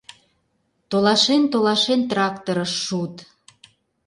Толашен-толашен, тракторыш шуыт.